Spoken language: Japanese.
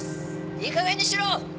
「いいかげんにしろ！」